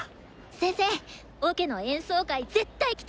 先生オケの演奏会絶対来てよね！